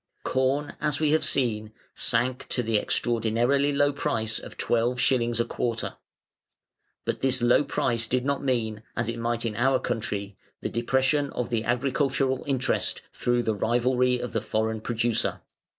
Corn, as we have seen, sank to the extraordinarily low price of twelve shillings a quarter. But this low price did not mean, as it might in our country, the depression of the agricultural interest, through the rivalry of the foreign producer.